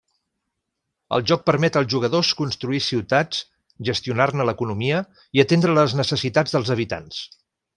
El joc permet els jugadors construir ciutats, gestionar-ne l'economia i atendre les necessitats dels habitants.